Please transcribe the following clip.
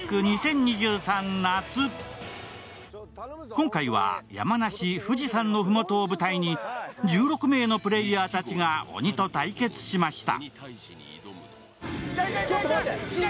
今回は山梨、富士山の麓を舞台に１６名のプレーヤーたちが鬼と対決しました。